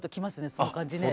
その感じね。